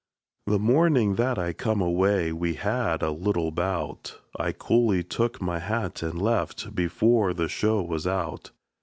The mornin' that I come away, we had a little bout; I coolly took my hat and left, before the show was out.